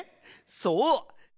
そう！